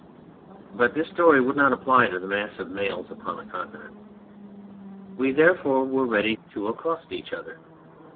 But this story would not apply to the mass of males upon the Continent. We therefore were ready to accost each other.